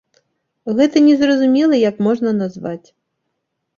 Гэта незразумела як можна назваць.